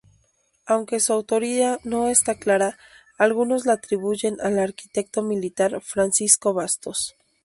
Aunque su autoría no está clara, algunos la atribuyen al arquitecto militar Francisco Bastos.